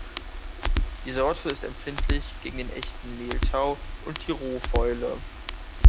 Die Sorte ist empfindlich gegen den Echten Mehltau und die Rohfäule.